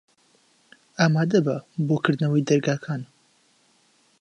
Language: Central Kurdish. ئامادە بە بۆ کردنەوەی دەرگاکان.